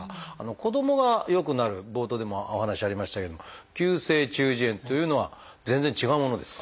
子どもがよくなる冒頭でもお話ありましたけれども「急性中耳炎」というのは全然違うものですか？